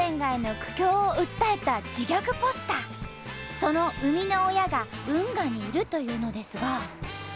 その生みの親が運河にいるというのですが。